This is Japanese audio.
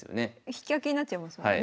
引き分けになっちゃいますもんね。